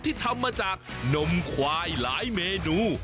ที่ทำมาจากนมควายหลายเมนู